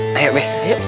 ya deh be